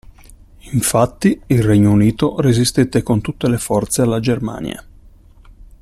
Infatti, il Regno Unito resistette con tutte le forze alla Germania.